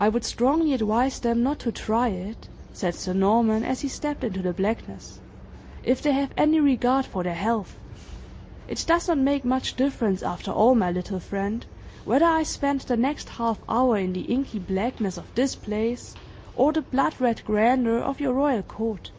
"I would strongly advise them not to try it," said Sir Norman, as he stepped into the blackness, "if they have any regard for their health! It does not make much difference after all, my little friend, whether I spend the next half hour in the inky blackness of this place or the blood red grandeur of your royal court.